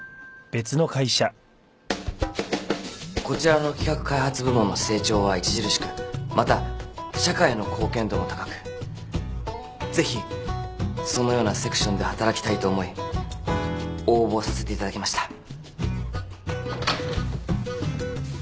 こちらの企画開発部門の成長は著しくまた社会への貢献度も高くぜひそのようなセクションで働きたいと思い応募させていただきました。